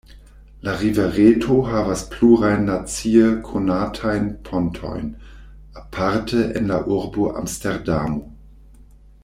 La rivereto havas plurajn nacie konatajn pontojn, aparte en la urbo Amsterdamo.